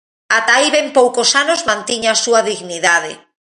Ata hai ben poucos anos mantiña a súa dignidade.